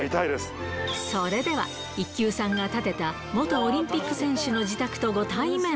それでは、一級さんが建てた元オリンピック選手の自宅とご対面。